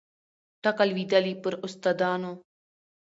ټکه لوېدلې پر استادانو